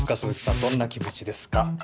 どんな気持ちですか？